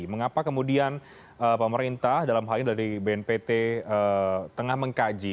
mengapa kemudian pemerintah dalam hal ini dari bnpt tengah mengkaji